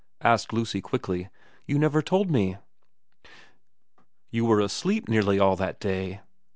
asked Lucy quickly. ' You never told me.' ' You were asleep nearly all that day.